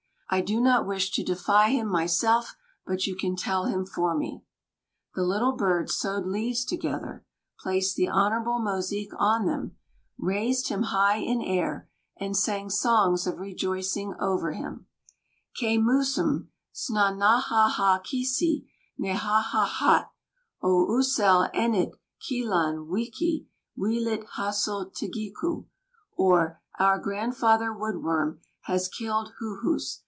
I do not wish to defy him myself, but you can tell him for me." The Little Birds sewed leaves together, placed the Honorable Mosique on them, raised him high in air, and sang songs of rejoicing over him: "K'mūs'm S'n nāhā kisi nāhāhāt ō usell ennīt kīlon wecki w'litt hassūl tīgiqu'," or "our Grandfather Wood Worm has killed Hūhuss.